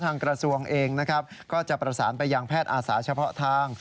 กระทรวงเองนะครับก็จะประสานไปยังแพทย์อาสาเฉพาะทาง